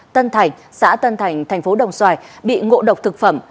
tân thành xã tân thành thành phố đồng xoài bị ngộ độc thực phẩm